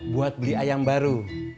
buat beli ayam baru